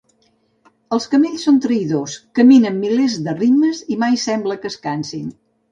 Els camells són traïdors: caminen milers de ritmes i mai sembla que es cansin.